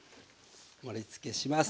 盛りつけします。